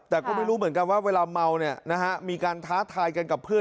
แต่ก็ไม่รู้เหมือนกันว่าเวลาเมาเนี่ยนะฮะมีการท้าทายกันกับเพื่อน